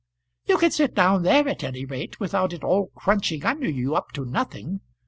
"You can sit down there at any rate without it all crunching under you, up to nothing."